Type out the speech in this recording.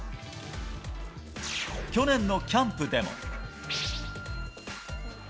去年のキャンプでも。